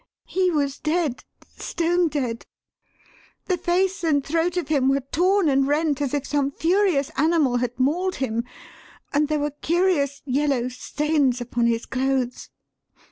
He was dead stone dead! The face and throat of him were torn and rent as if some furious animal had mauled him, and there were curious yellow stains upon his clothes.